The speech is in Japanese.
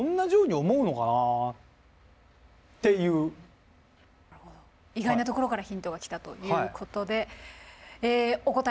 じゃあ何か意外なところからヒントが来たということでお答え